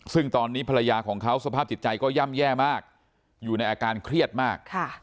ซึ่งตอนนี้ภรรยาของเขาสภาพจิตใจก็ย่ำแย่มากอยู่ในอาการเครียดมาก